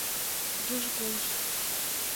Тугеже колышт...